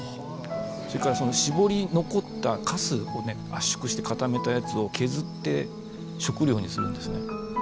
それからそのしぼり残ったかすを圧縮して固めたやつを削って食料にするんですね。